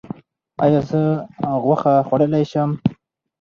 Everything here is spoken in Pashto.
ایا زه غوښه خوړلی شم؟